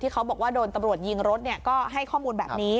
เขาบอกว่าโดนตำรวจยิงรถก็ให้ข้อมูลแบบนี้